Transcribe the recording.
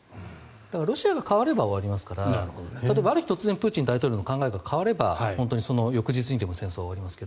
ロシアが変われば終わりますからある日、突然プーチン大統領の考えが変われば、その翌日にでも戦争は終わりますけど。